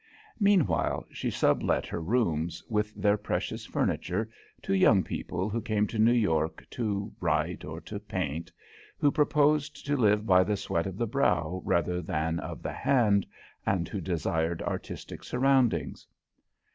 Meanwhile, she sub let her rooms, with their precious furniture, to young people who came to New York to "write" or to "paint" who proposed to live by the sweat of the brow rather than of the hand, and who desired artistic surroundings.